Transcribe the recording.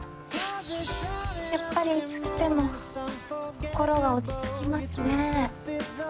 やっぱりいつ来ても心が落ち着きますね。